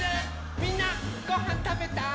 みんなごはんたべた？